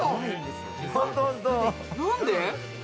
何で？